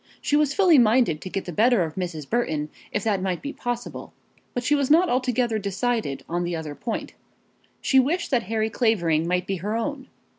She was fully minded to get the better of Mrs. Burton if that might be possible, but she was not altogether decided on the other point. She wished that Harry Clavering might be her own.